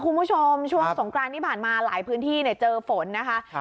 คุณผู้ชมช่วงสงกรานที่ผ่านมาหลายพื้นที่เจอฝนนะคะ